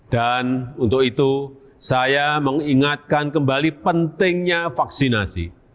dan untuk itu saya mengingatkan kembali pentingnya vaksinasi